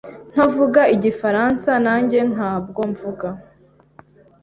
Ntavuga Igifaransa, nanjye ntabwo mvuga.